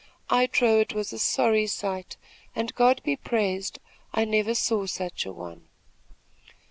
I trow it was a sorry sight, and God be praised, I never saw such a one!"